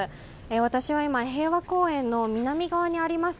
私は今、平和公園の南側にあります